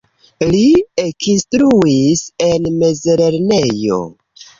Li ekinstruis en mezlernejo.